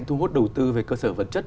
thu hút đầu tư về cơ sở vật chất